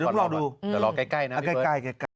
เดี๋ยวรอใกล้นะพี่เบิร์ด